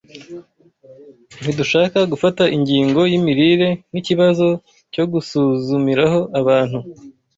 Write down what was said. Ntidushaka gufata ingingo y’imirire nk’ikibazo cyo gusuzumiraho abantu,